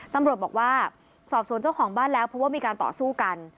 ตำรวจบอกว่าสอบสวนเจ้าของบ้านแล้วเพราะว่ามีการต่อสู้กัน